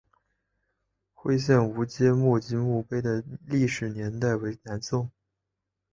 徽县吴玠墓及墓碑的历史年代为南宋。